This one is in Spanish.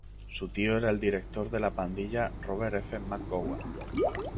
Su tío era el director de "La Pandilla" Robert F. McGowan.